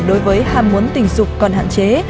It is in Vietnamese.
đối với ham muốn tình dục còn hạn chế